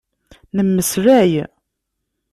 Nemmeslay.